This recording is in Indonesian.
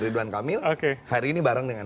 ridwan kamil hari ini bareng dengan